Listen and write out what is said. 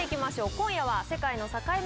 今夜は世界の境目